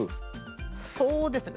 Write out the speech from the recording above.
そうですね